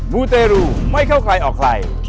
มูเตรูไม่เข้าใครออกใคร